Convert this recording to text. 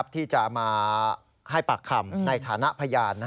ที่จะมาให้ปากคำในฐานะพยาน